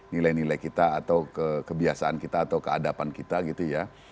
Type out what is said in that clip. nilai nilai kita atau kebiasaan kita atau keadapan kita gitu ya